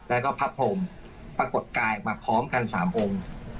แล้วก็พระพรมปรากฏกายออกมาพร้อมกัน๓องค์